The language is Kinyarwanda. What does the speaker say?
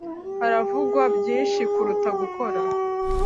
haravugwa byinshi kuruta gukora